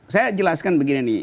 saya jelaskan begini nih